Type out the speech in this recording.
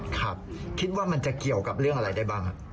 ครับคิดว่ามันจะเกี่ยวกับเรื่องอะไรได้บ้างครับ